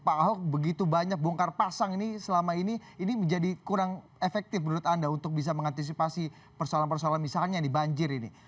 pak ahok begitu banyak bongkar pasang ini selama ini ini menjadi kurang efektif menurut anda untuk bisa mengantisipasi persoalan persoalan misalnya nih banjir ini